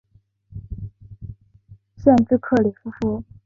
县治克里夫兰。